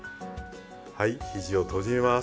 はいひじを閉じます。